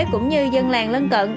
cũng như dân làng lân cận